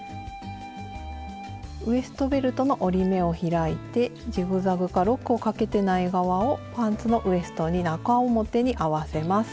ウエストベルトの折り目を開いてジグザグかロックをかけてない側をパンツのウエストに中表に合わせます。